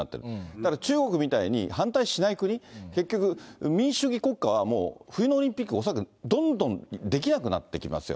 だから中国みたいに反対しない国、結局、民主主義国家はもう、冬のオリンピック、恐らくどんどんできなくなってきますよ。